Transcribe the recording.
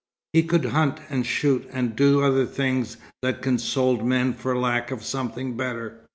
He could hunt and shoot, and do other things that consoled men for lack of something better.